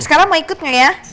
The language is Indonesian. sekarang mau ikut gak ya